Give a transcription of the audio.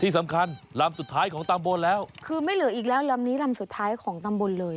ที่สำคัญลำสุดท้ายของตำบลแล้วคือไม่เหลืออีกแล้วลำนี้ลำสุดท้ายของตำบลเลย